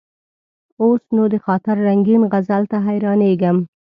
اوس نو: د خاطر رنګین غزل ته حیرانېږم.